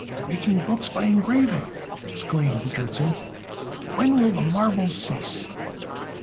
"Making books by engraving!" exclaimed Dritzhn. "When will the marvels cease?"